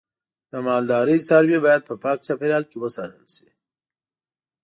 د مالدارۍ څاروی باید په پاک چاپیریال کې وساتل شي.